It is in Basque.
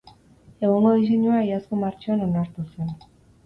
Egungo diseinua iazko martxoan onartu zen.